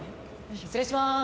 失礼します。